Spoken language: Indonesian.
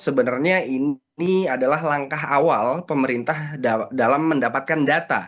sebenarnya ini adalah langkah awal pemerintah dalam mendapatkan data